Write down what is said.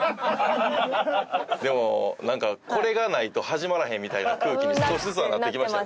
でもなんかこれがないと始まらへんみたいな空気に少しずつはなってきましたよね。